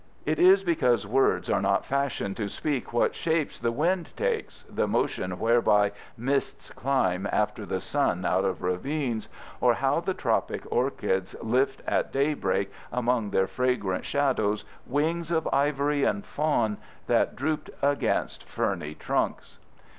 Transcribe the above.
It is because words are not fashioned to speak what shapes the wind takes, the motion whereby mists climb after the sun out of ravines, or how the tropic orchids lift at daybreak among their fragrant shadows wings of ivory and fawn that drooped against ferny trunks.